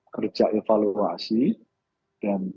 kerja evaluasi dan kerja pemantauan atas pelaksanaan ppdb ini